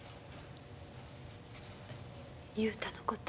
雄太のこと？